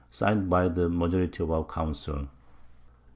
_ Signed by the Majority of our Council.